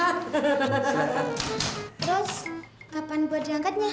terus kapan buat diangkatnya